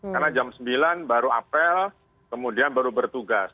karena jam sembilan baru apel kemudian baru bertugas